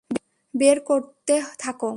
বের করতে থাকো।